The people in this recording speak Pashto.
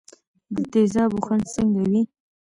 د تیزابو خوند څنګه وي.